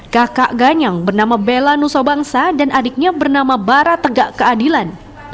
kakak ganyang bernama bella nusobangsa dan adiknya bernama bara tegak keadilan